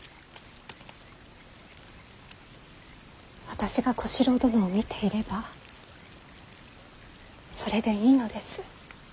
私が小四郎殿を見ていればそれでいいのです。